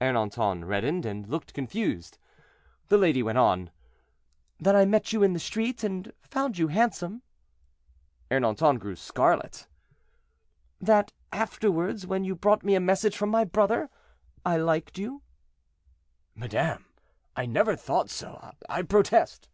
Ernanton reddened, and looked confused. The lady went on. "That I met you in the street, and found you handsome." Ernanton grew scarlet. "That afterward, when you brought me a message from my brother, I liked you." "Madame, I never thought so, I protest."